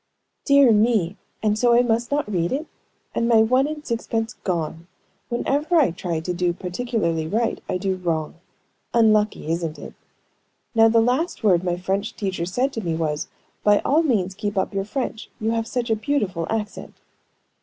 "Dear me! And so I must not read it? and my one and six pence gone! Whenever I try to do particularly right, I do wrong. Unlucky, isn't it? Now the last word my French teacher said to me was, 'By all means keep up your French; you have such a beautiful accent.'"